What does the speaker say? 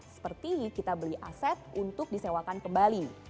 seperti kita beli aset untuk disewakan kembali